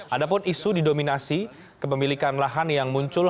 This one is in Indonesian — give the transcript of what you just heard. ada pun isu didominasi kepemilikan lahan yang muncul